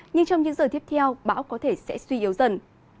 nhưng trong những giờ tiếp theo bão có thể sẽ suy yếu dần